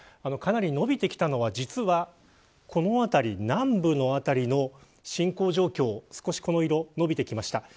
かなり伸びてきたのは実は、この辺り、南部の辺りの侵攻状況少しこの色が伸びてきました。